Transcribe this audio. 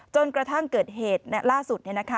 จนกระทั่งเกิดเหตุล่าสุด